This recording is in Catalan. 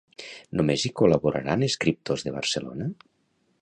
Només hi col·laboraran escriptors de Barcelona?